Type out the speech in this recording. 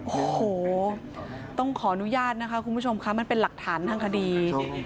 โอ้โหต้องขออนุญาตนะคะคุณผู้ชมค่ะมันเป็นหลักฐานทางคดี